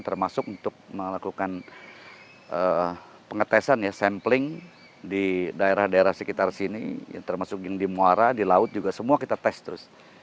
termasuk untuk melakukan pengetesan ya sampling di daerah daerah sekitar sini termasuk yang di muara di laut juga semua kita tes terus